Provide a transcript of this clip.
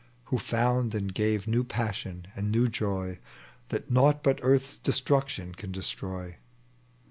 Who found and gave new passion and new joy That nought but Earth's destruction can destroy.